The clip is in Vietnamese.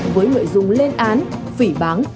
với nội dung lên án phỉ bán